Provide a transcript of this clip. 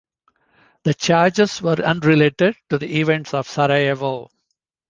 The charges were unrelated to the events of Sarajevo.